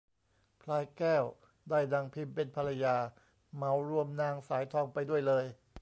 พลายแก้วได้นางพิมเป็นภรรยา เหมารวมนางสายทองไปด้วยเลย